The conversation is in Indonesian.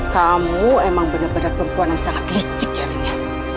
kamu emang benar benar perempuan yang sangat licik ya rin ya